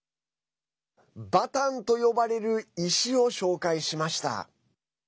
バタンと呼ばれる石を紹介しました。